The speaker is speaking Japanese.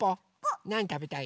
なにたべたい？